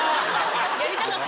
やりたかった？